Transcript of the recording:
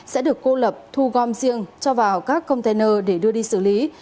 sẽ được cô lập thu gom riêng cho vào các container để đưa đi xử lý